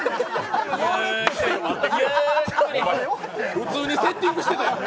普通にセッティングしてたやん。